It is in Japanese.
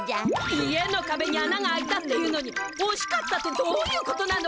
家のかべにあなが開いたっていうのにおしかったってどういうことなの！？